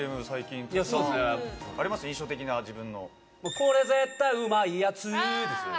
これ絶対うまいやつですね。